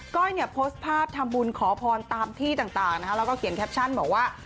้อยเนี่ยโพสต์ภาพทำบุญขอพรตามที่ต่างนะคะแล้วก็เขียนแคปชั่นบอกว่า